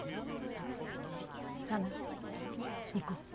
沙奈行こう。